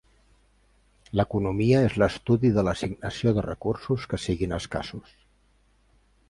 L'Economia és l'estudi de l'assignació de recursos que siguin escassos.